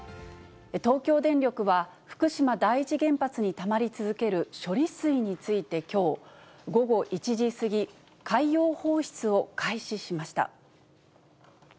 東京電力は、福島第一原発にたまり続ける処理水についてきょう、午後１時過ぎ、海洋放出を開始しました。